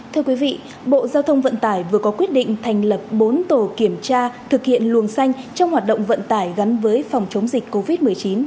thưa quý vị bộ giao thông vận tải vừa có quyết định thành lập bốn tổ kiểm tra thực hiện luồng xanh trong hoạt động vận tải gắn với phòng chống dịch covid một mươi chín